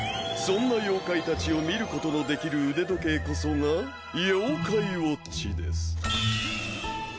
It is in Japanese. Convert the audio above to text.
そんな妖怪たちを見ることのできる腕時計こそが妖怪ウォッチです。